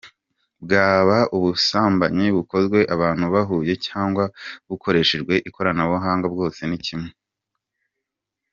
Bwaba ubusambanyi bukozwe abantu bahuye cyangwa ubukoreshejwe ikoranabuhanga bwose ni kimwe.